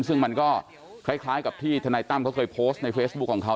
ซึ่งมันก็คล้ายกับที่ทนายตั้มเขาเคยโพสต์ในเฟซบุ๊คของเขา